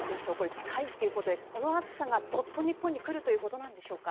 近いということでこの暑さがドッと日本に来るということなんでしょうか。